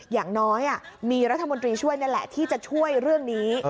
อย่างน้อยมีรัฐมนตรีช่วยนี่แหละที่จะช่วยเรื่องนี้